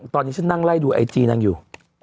ตอนนี้ฉันนั่งไล่ดูไอจีนางอยู่